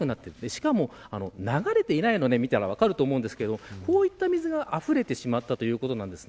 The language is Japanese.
しかも流れていないので見たら分かると思うんですけどこういった水があふれてしまったということです。